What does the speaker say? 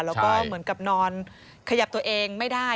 แล้วก็เหมือนกับนอนขยับตัวเองไม่ได้